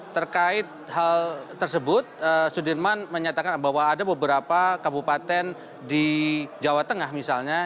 terkait hal tersebut sudirman menyatakan bahwa ada beberapa kabupaten di jawa tengah misalnya